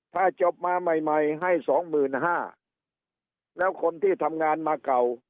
ถ้าจบมาใหม่ใหม่ให้สองหมื่นห้าแล้วคนที่ทำงานมาเก่า